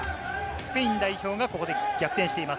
スペイン代表がここで逆転しています。